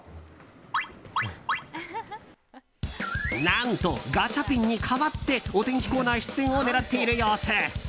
何とガチャピンに代わってお天気コーナー出演を狙っている様子。